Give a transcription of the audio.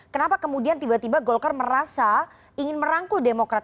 kenapa kemudian tiba tiba golkar merasa ingin merangkul demokrat